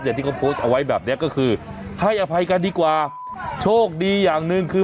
ที่เขาโพสต์เอาไว้แบบเนี้ยก็คือให้อภัยกันดีกว่าโชคดีอย่างหนึ่งคือ